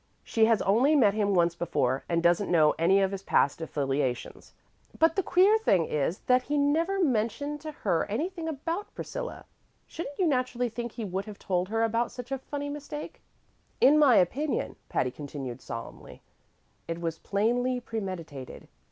She has only met him once before, and doesn't know any of his past affiliations. But the queer thing is that he never mentioned to her anything about Priscilla. Shouldn't you naturally think he would have told her about such a funny mistake? "In my opinion," Patty continued solemnly, "it was plainly premeditated.